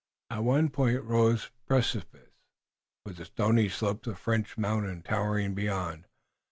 At one point rose precipices, with the stony slopes of French Mountain towering beyond.